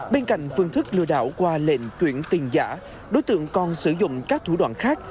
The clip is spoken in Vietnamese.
bên cạnh phương thức lừa đảo qua lệnh chuyển tiền giả đối tượng còn sử dụng các thủ đoạn khác